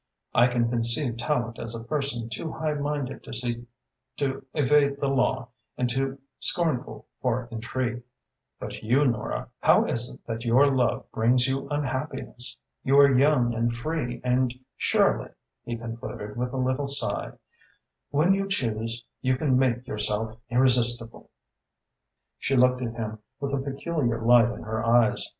I can conceive Tallente as a person too highminded to seek to evade the law and too scornful for intrigue. But you, Nora, how is it that your love brings you unhappiness? You are young and free, and surely," he concluded, with a little sigh, "when you choose you can make yourself irresistible." She looked at him with a peculiar light in her eyes.